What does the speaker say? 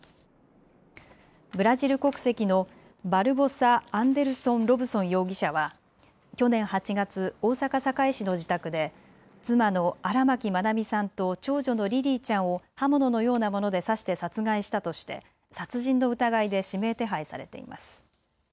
ブラジル国籍のバルボサ・アンデルソン・ロブソン容疑者は去年８月、大阪堺市の自宅で妻の荒牧愛美さんと長女のリリィちゃんを刃物のようなもので刺して殺害したとして殺人の疑いで指名手配されています。